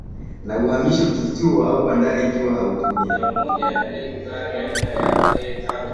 na uhamisho kituo au bandari Ikiwa hutumia